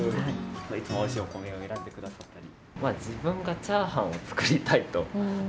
いつもおいしいお米を選んで下さったり。